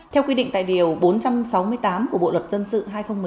theo quy định tại điều bốn trăm sáu mươi tám của bộ luật dân sự hai nghìn một mươi năm